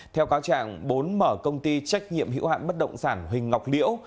theo cáo trạng bốn mở công ty trách nhiệm hữu hạn bất động sản huỳnh ngọc liễu